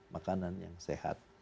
makanan yang sehat